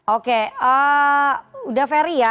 oke udah fairy ya